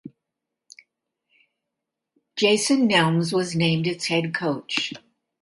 Jason Nelms was named its head coach.